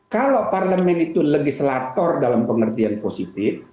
kalau parlemen itu legislator dalam pengertian positif